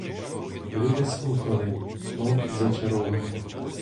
Люди слухали, мов зачаровані.